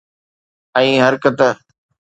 ۽ حرڪت